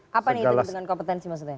apa nih hitung hitungan kompetensi maksudnya